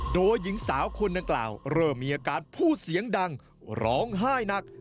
โดยหญิงสาวคนดังกล่าวเริ่มมีอาการพูดเสียงดังร้องไห้หนัก